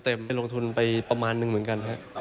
ใช้ลงทุนไปประมาณหนึ่งเหมือนกันนะฮะ